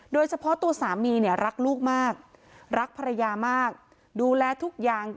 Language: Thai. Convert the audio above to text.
โดยเฉพาะตัวสามีเนี่ยรักลูกมากรักภรรยามากดูแลทุกอย่าง